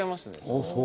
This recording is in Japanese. あっそう？